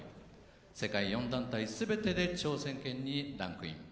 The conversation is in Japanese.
世界４団体全てで挑戦権にランクイン。